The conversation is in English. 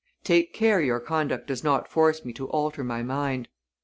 Take care your conduct does not force me to alter my mind.